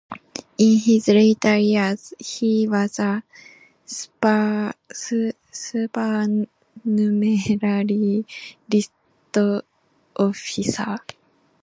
In his later years he was a supernumerary list officer.